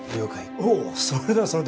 おっそれだそれだ。